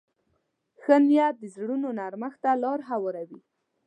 ښه نیت د زړونو نرمښت ته لار هواروي.